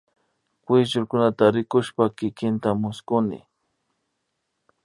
Kuyllurkunata rikushpa kikinta mushkuni